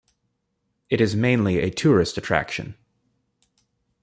It is mainly a tourist attraction.